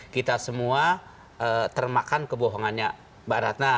kita semua termakan kebohongannya mbak ratna